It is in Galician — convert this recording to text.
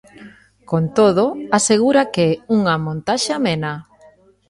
Con todo, asegura que é unha montaxe "amena".